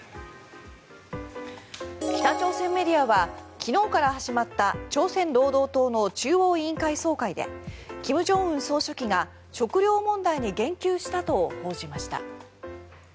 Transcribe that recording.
北朝鮮メディアは昨日から始まった朝鮮労働党の中央委員会総会で金正恩総書記が食糧問題に言及したと報じました。